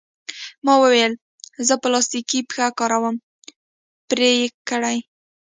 ما وویل: زه پلاستیکي پښه کاروم، پرې یې کړئ.